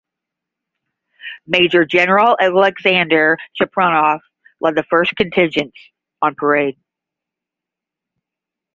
Major General Aleksandr Cherepanov led the first contingents on parade.